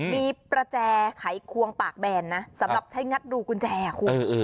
มีประแจไขควงปากแบนนะสำหรับใช้งัดรูกุญแจคุณ